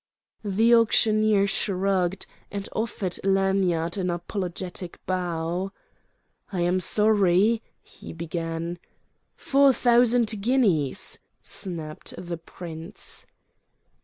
The auctioneer shrugged, and offered Lanyard an apologetic bow. "I am sorry—" he began. "Four thousand guineas!" snapped the prince.